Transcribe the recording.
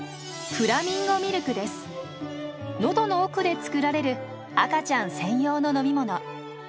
喉の奥で作られる赤ちゃん専用の飲み物。